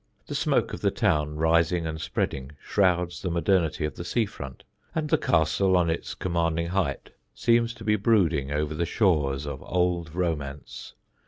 The smoke of the town, rising and spreading, shrouds the modernity of the sea front, and the castle on its commanding height seems to be brooding over the shores of old romance.